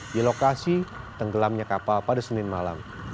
di lokasi tenggelamnya kapal pada senin malam